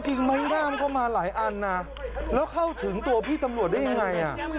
จริงไม้งามเข้ามาหลายอันนะแล้วเข้าถึงตัวพี่ตำรวจได้ยังไง